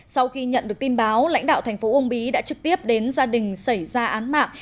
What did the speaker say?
sau khi nhận được tin báo lãnh đạo thành phố uông bí đã trực tiếp đến gia đình xảy ra án mạng